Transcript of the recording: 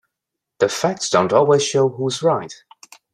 The facts don't always show who is right.